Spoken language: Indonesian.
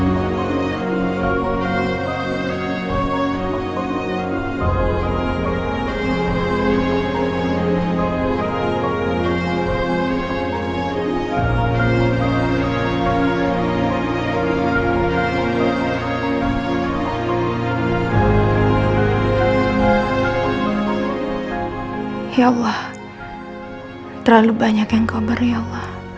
uh ya baik